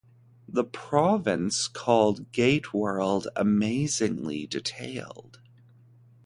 "The Province" called GateWorld "amazingly detailed".